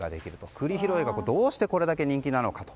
栗拾いがどうしてこれだけ人気なのかと。